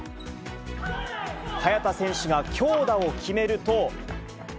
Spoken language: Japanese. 早田選手が強打を決めると。